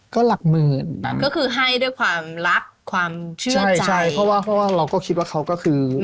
ใช่เพราะว่าเราก็คิดว่าเขาก็คือ